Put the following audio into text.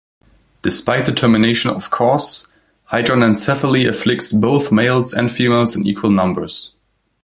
Despite determination of cause, hydranencephaly afflicts both males and females in equal numbers.